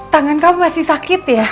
tangan kamu masih sakit ya